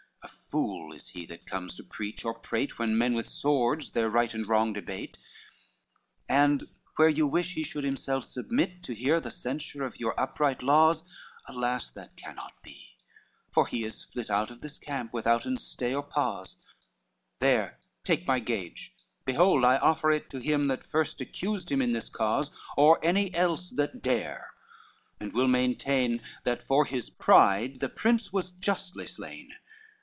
A fool is he that comes to preach or prate When men with swords their right and wrong debate. LVIII "And where you wish he should himself submit To hear the censure of your upright laws; Alas, that cannot be, for he is flit Out if this camp, withouten stay or pause, There take my gage, behold I offer it To him that first accused him in this cause, Or any else that dare, and will maintain That for his pride the prince was justly slain.